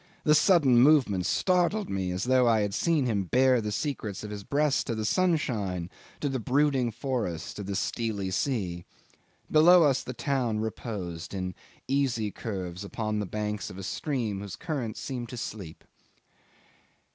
The sudden movement startled me as though I had seen him bare the secrets of his breast to the sunshine, to the brooding forests, to the steely sea. Below us the town reposed in easy curves upon the banks of a stream whose current seemed to sleep.